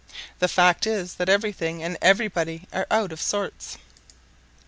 The fact is that everything and everybody are out of sorts.